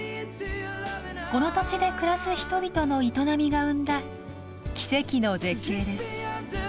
この土地で暮らす人々の営みが生んだ奇跡の絶景です。